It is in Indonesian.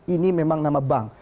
ini memang nama bank